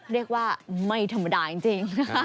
เรียกว่าไม่ธรรมดาจริง